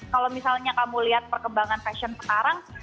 kalau misalnya kamu lihat perkembangan fashion sekarang